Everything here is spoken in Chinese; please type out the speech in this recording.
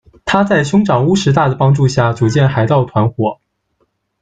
他在兄长乌石大的帮助下组建海盗团夥。